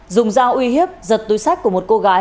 dùng dao uy hiếp giật túi sách của một cô gái